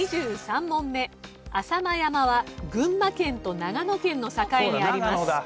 ２３問目浅間山は群馬県と長野県の境にあります。